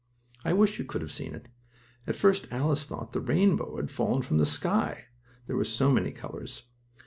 I wish you could have seen it! At first Alice thought the rainbow had fallen from the sky, there were so many colors.